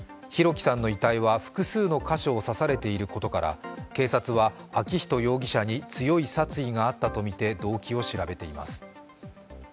輝さんの遺体は複数の箇所を刺されていることから警察は昭仁容疑者に強い殺意があったとみて動機を調べています。